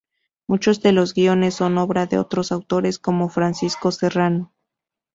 Muchos de los guiones son obra de otros autores, como Francisco Serrano.